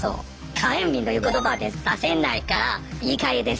火炎ビンという言葉は出せないから言いかえです。